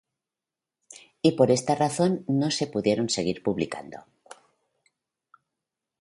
Y por esta razón no se pudieron seguir publicando.